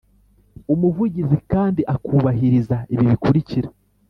Umuvugizi kandi akubahiriza ibi bikurikira